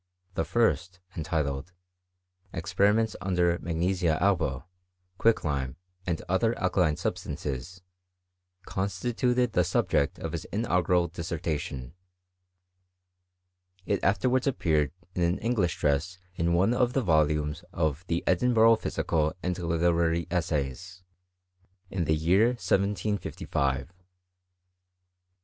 The first, entitled '' Experiments upon Magnesia alba, QuickC lime, and other Alkaline Substances," constituted the subject of his inaugural dissertation. It afterwaidl ' appeared in an English dress in one of the volumes of The Edinburgh Physical and Literary Essays, in ibBf year 1755. Mr.